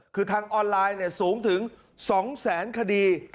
คือทางออนไลน์สูงถึง๒แสนคดี